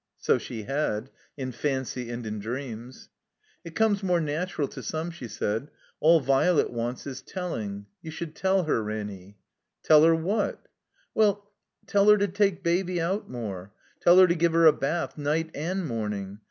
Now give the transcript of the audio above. So she had — in fancy and in dreams. "It comes more nattiral to some," she said. "All Violet wants is telling. You should tell her, Ranny." "Tell her what?" "Well — ^tell her to take Baby out more. Tell her to give her a bath night and morning.